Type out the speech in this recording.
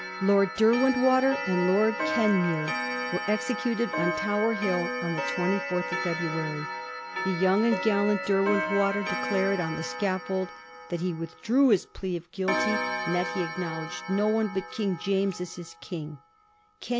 Lord Derwentwater and Lord Kenmure were executed on Tower Hill on the 24th February. The young and gallant Derwentwater declared on the scaffold that he withdrew his plea of guilty, and that he acknowledged no one but James Stuart as his king.